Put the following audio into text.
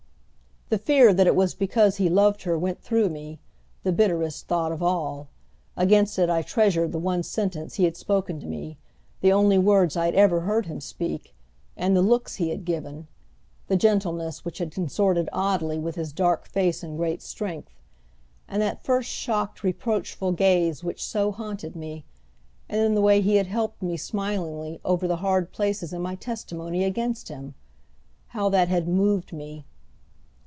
The fear that it was because he loved her went through me, the bitterest thought of all. Against it I treasured the one sentence he had spoken to me, the only words I had ever heard him speak, and the looks he had given the gentleness which had consorted oddly with his dark face and great strength, and that first shocked, reproachful gaze which so haunted me; and then the way he had helped me, smilingly, over the hard places in my testimony against him! How that had moved me!